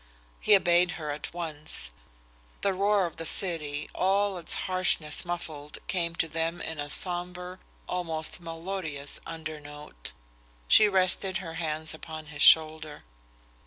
He obeyed her at once. The roar of the city, all its harshness muffled, came to them in a sombre, almost melodious undernote. She rested her hands upon his shoulder.